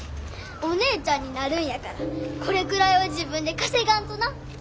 お姉ちゃんになるんやからこれくらいは自分で稼がんとな。